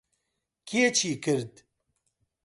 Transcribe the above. کێ چی کرد؟